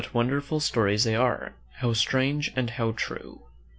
derful stories they are! How strange and how true!